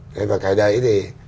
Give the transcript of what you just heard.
thế và cái đấy thì